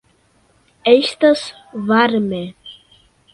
Estas varme.